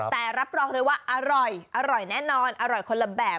แต่รับรองเลยว่าอร่อยอร่อยแน่นอนอร่อยคนละแบบ